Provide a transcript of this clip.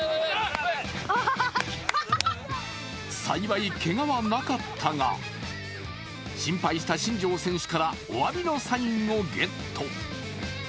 幸い、けがはなかったが、心配した新庄選手からおわびのサインをゲット。